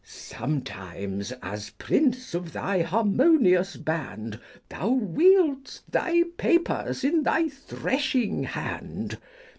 297 ►Sometimes, as prince of thy harmonious band, 51 Thou wield'st thy papers in thy threshing hand.